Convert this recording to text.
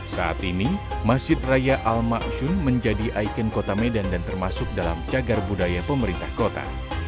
saat ini masjid raya al maksun menjadi ikon kota medan dan termasuk dalam cagar budaya pemerintah kota